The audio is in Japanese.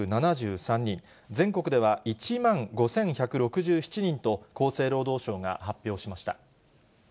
全国では１万５１６７人と厚生労働省が発表しました。